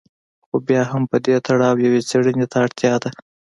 خو بیا هم په دې تړاو یوې څېړنې ته اړتیا ده.